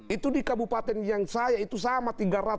itu di kabupaten yang saya itu sama tiga ratus